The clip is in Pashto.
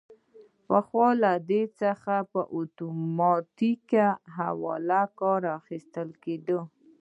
پخوا له دې څخه په اتوماتیک حواله کار اخیستل کیده.